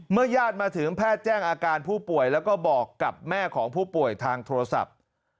ญาติมาถึงแพทย์แจ้งอาการผู้ป่วยแล้วก็บอกกับแม่ของผู้ป่วยทางโทรศัพท์